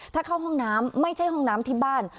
ถ้าเข้าห้องน้ำไม่ใช่ห้องน้ำที่บ้าน